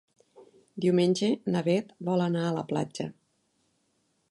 Diumenge na Bet vol anar a la platja.